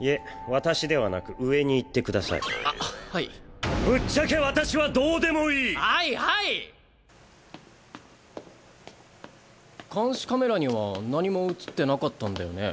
私ではなく上に言ってくださいあっはいぶっちゃけ私はどうでもいいは監視カメラには何も映ってなかったんだよね？